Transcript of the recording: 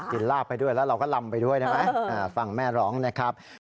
ลาบไปด้วยแล้วเราก็ลำไปด้วยได้ไหมฟังแม่ร้องนะครับ